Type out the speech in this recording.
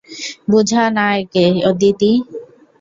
বুঝা না একে, আদিতি!